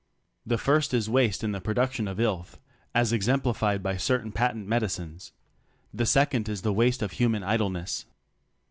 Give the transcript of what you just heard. The first is waste in the production of "illth," as exemplified by certain patent medicines; the second is the waste of human idleness.